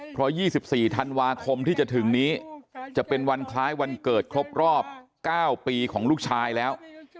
เพราะ๒๔ธันวาคมที่จะถึงนี้จะเป็นวันคล้ายวันเกิดครบรอบ๙ปีของลูกชายแล้ว